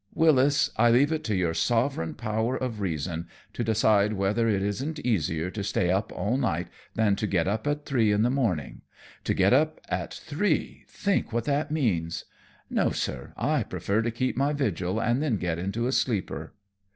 "Wyllis, I leave it to your sovereign power of reason to decide whether it isn't easier to stay up all night than to get up at three in the morning. To get up at three, think what that means! No, sir, I prefer to keep my vigil and then get into a sleeper."